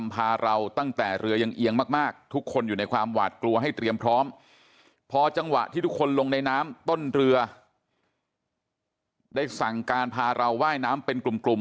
พอจังหวะที่ทุกคนลงในน้ำต้นเรือได้ทราบสั่งการพาเราว่ายน้ำกลุ่ม